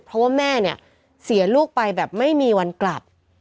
เพราะว่าแม่เนี่ยเสียลูกไปแบบไม่มีวันกลับ